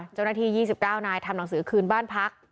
เจ้าหน้าที่๒๙นายทำหนังสือคืนบ้านพัก